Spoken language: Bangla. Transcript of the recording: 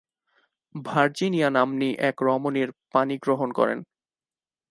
ভার্জিনিয়া নাম্নী এক রমণীর পাণিগ্রহণ করেন।